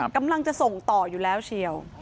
กำลังจะส่งต่ออยู่แล้วเชียว